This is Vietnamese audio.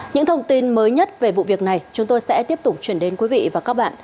những thông tin mới nhất về vụ việc này chúng tôi sẽ tiếp tục chuyển đến quý vị và các bạn